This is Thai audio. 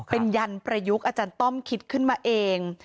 เป็นยันประยุกต์อาจารย์ต้อมคิดขึ้นมาเอง